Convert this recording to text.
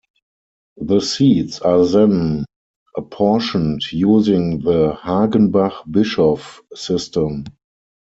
The seats are then apportioned using the Hagenbach-Bischoff System.